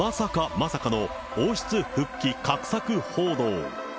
まさかの王室復帰画策報道。